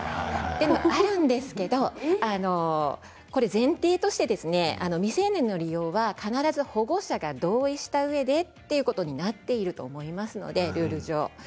あるんですけど、前提として未成年の利用は必ず保護者が同意したうえでということになっていると思いますのでルール上。